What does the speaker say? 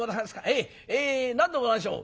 ええ何でございましょう？」。